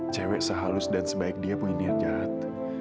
cewek sehalus dan sebaik dia pun ini yang jahat